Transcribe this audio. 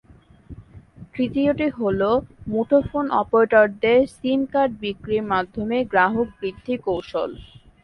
তৃতীয়টি হলো, মুঠোফোন অপারেটরদের সিম কার্ড বিক্রির মাধ্যমে গ্রাহক বৃদ্ধির কৌশল।